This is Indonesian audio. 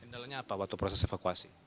kendalanya apa waktu proses evakuasi